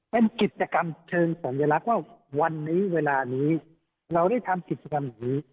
เป็นกิจกรรมเชิงสัญลักษณ์ว่าวันนี้เวลานี้เราได้ทำกิจกรรมอย่างนี้